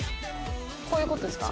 こういうことですか？